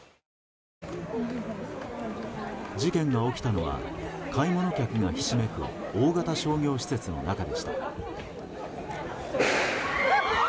事件が起きたのは買い物客がひしめく大型商業施設の中でした。